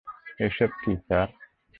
এসব কী স্যার?